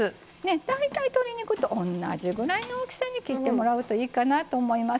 大体鶏肉と同じぐらいの大きさに切ってもらうといいかなと思います。